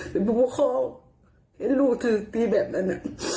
แต่มุขคลองที่ลูกที่ตีแบบนั้น